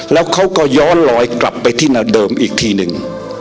แล้วเขาก็ย้อนลอยกลับไปที่หน้าเดิมอีกทีหนึ่ง